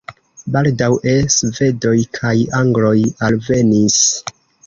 Baldaŭe svedoj kaj angloj alvenis.